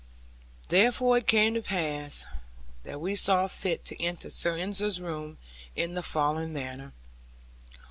Therefore it came to pass, that we saw fit to enter Sir Ensor's room in the following manner.